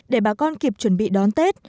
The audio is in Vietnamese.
để bà con kịp chuẩn bị đón tết